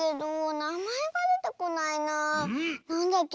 なんだっけ？